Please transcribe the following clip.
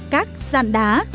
các dạn đá